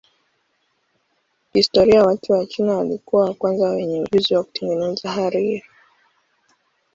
Kihistoria watu wa China walikuwa wa kwanza wenye ujuzi wa kutengeneza hariri.